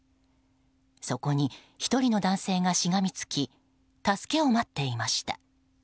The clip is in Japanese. そこに、１人の男性がしがみつき助けを待っていました。